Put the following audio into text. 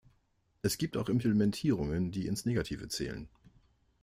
Es gibt auch Implementierungen, die ins Negative zählen.